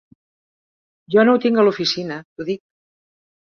Jo no ho tinc a l’oficina, t’ho dic.